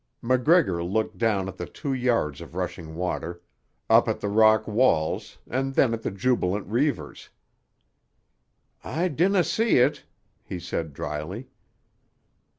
MacGregor looked down at the two yards of rushing water, up at the rock walls and then at the jubilant Reivers. "I dinna see it," he said dryly.